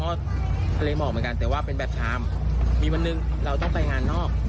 ก็ทะเลหมอกเหมือนกันแต่ว่าเป็นแบบชามมีวันหนึ่งเราต้องไปงานนอก